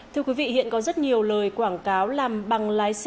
thưa quý vị hiện có rất nhiều lời quảng cáo làm bằng lái xe